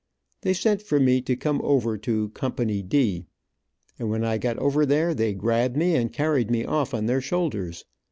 They sent for me to come over to Co. D., and when I got over there they grabbed me and carried me off on their shoulders.